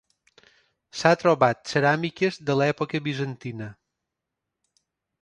S'ha trobat ceràmiques de l'època bizantina.